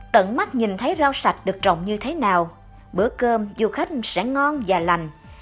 tận mắt nhìn thấy rau sạch được trồng như thế nào bữa cơm du khách sẽ ngon và lành